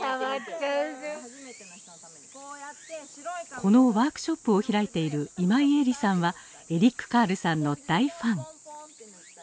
このワークショップを開いている今井絵里さんはエリック・カールさんの大ファン。